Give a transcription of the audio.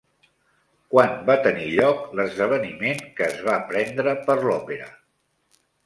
Quan va tenir lloc l'esdeveniment que es va prendre per l'òpera?